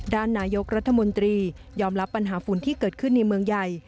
ด้านนายกรัฐมนตรียอมรับปัญหาฝุ่นที่เกิดขึ้นในเมืองใหญ่